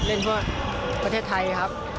เล่นเพื่อประเทศไทยครับ